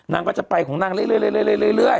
นางก็จะไปของนางเรื่อย